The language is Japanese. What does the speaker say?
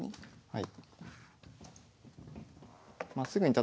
はい。